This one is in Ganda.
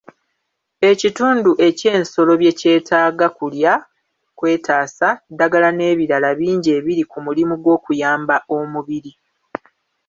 Ekitundu eky'ensolo bye kyetaaga; kulya, kwetaasa, ddagala n'ebirala bingi ebiri ku mulimu gw'okuyamba omubiri.